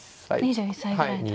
２１歳ぐらいの時。